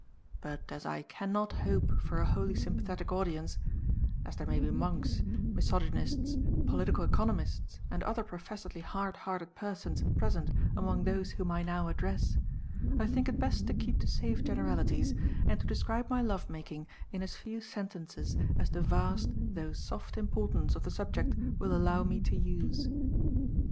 But as I cannot hope for a wholly sympathetic audience as there may be monks, misogynists, political economists, and other professedly hard hearted persons present among those whom I now address I think it best to keep to safe generalities, and to describe my love making in as few sentences as the vast, though soft, importance of the subject will allow me to use.